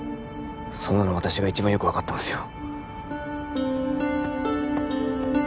そんなの私が一番よく分かってますよ